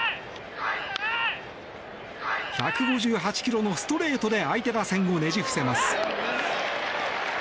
１５８キロのストレートで相手打線をねじ伏せます。